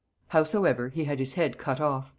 Howsoever, he had his head cut off."